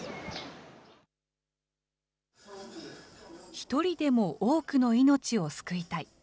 一人でも多くの命を救いたい。